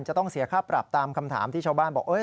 จะต้องเสียค่าปรับตามคำถามที่ชาวบ้านบอก